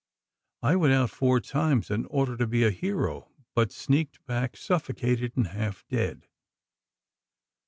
I went out four times, in order to be a hero, but sneaked back suffocated and half dead.